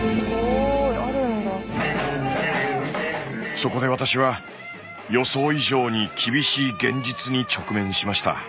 そこで私は予想以上に厳しい現実に直面しました。